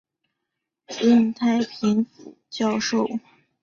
任太平府教授。